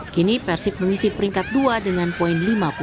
kini persib mengisi peringkat dua dengan poin lima puluh